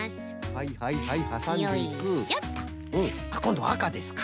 はいはいはい。